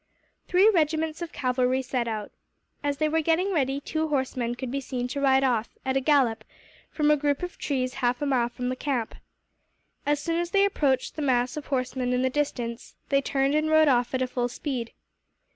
Three regiments of cavalry set out. As they were getting ready, two horsemen could be seen to ride off, at a gallop, from a group of trees half a mile from the camp. As soon as they approached the mass of horsemen in the distance, they turned and rode off at full speed.